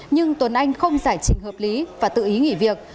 nhưng tuấn anh không giải trình hợp lý và tự ý nghỉ việc